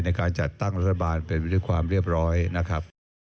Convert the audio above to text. ในการจัดตั้งรัฐบาลเป็นไปด้วยความเรียบร้อยนะครับ